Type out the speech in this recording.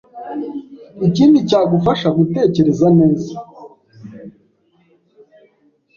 Ikindi cyagufasha gutekereza neza